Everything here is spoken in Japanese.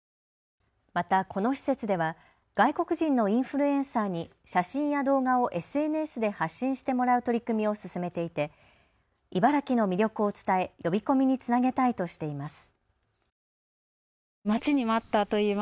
また、この施設では外国人のインフルエンサーに写真や動画をＳＮＳで発信してもらう取り組みを進めていて茨城の魅力を伝え呼び込みにつなげたいとしています。